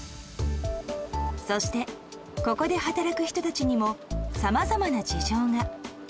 そして、ここで働く人たちにもさまざまな事情が。